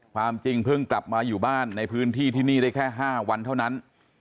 ความจริงเพิ่งกลับมาอยู่บ้านในพื้นที่ที่นี่ได้แค่๕วันเท่านั้น